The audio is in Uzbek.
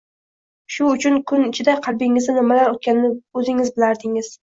Shu uch kun ichida qalbingizdan nimalar oʻtganini oʻzingiz bildingiz